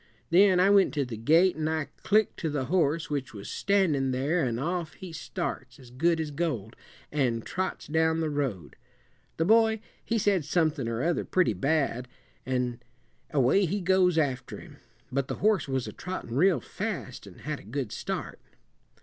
Then I went to the gate, and I clicked to the horse which was standin' there, an' off he starts, as good as gold, an' trots down the road. The boy, he said somethin' or other pretty bad an' away he goes after him; but the horse was a trottin' real fast, an' had a good start."